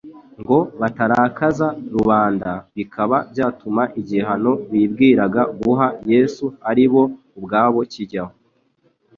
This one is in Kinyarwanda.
ngo batarakaza rubanda bikaba byatuma igihano bibwiraga guha Yesu ari bo ubwabo kijyaho.